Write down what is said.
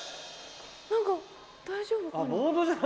何か大丈夫かな。